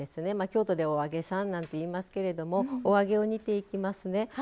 京都ではお揚げさんなんていいますけどもお揚げを煮ていきますね。